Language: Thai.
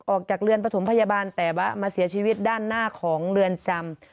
ออกจากเรือนปฐมพยาบาลแต่ว่ามาเสียชีวิตด้านหน้าของเรือนจำ